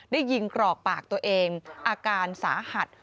ยิงกรอกปากตัวเองอาการสาหัส